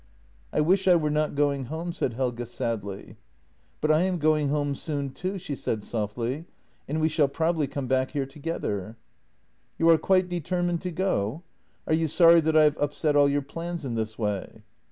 " I wish I were not going home," said Helge sadly. " But I am going home soon too," she said softly, " and we shall probably come back here together." " You are quite determined to go? Are you sorry that I have upset all your plans in this way?